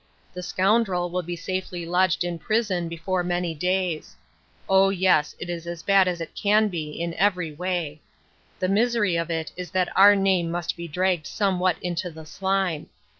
The scoundrel will be safely lodged A PLAIN UNDERSTANDING. 211 in prison before many days. O, yes ! it is as bad as it can be, in every way. The misery of it is that our name must be dragged somewhat into the slime.